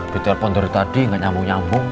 diterpon dari tadi nggak nyambung nyambung